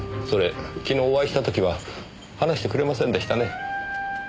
それきのうお会いした時は話してくれませんでしたね。